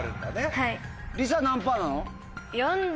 はい。